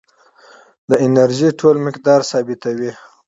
د انرژۍ ټول مقدار ثابت وي.